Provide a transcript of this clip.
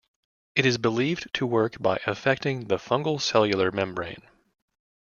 It is believed to work by affecting the fungal cellular membrane.